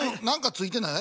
ついてない？